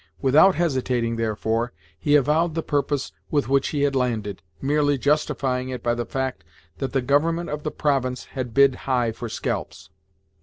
Without hesitating, therefore, he avowed the purpose with which he had landed, merely justifying it by the fact that the government of the province had bid high for scalps.